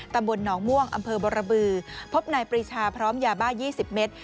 ตำบลหนองม่วงอำเภอบรบือพบนายปรีชาพร้อมยาบ้า๒๐เมตร